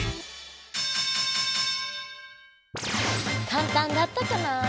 かんたんだったかな？